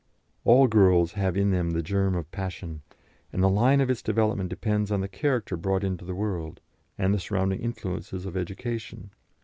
All girls have in them the germ of passion, and the line of its development depends on the character brought into the world, and the surrounding influences of education.